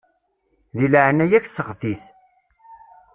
Di leɛnaya-k seɣti-t.